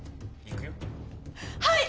はい！